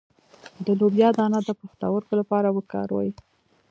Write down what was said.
د لوبیا دانه د پښتورګو لپاره وکاروئ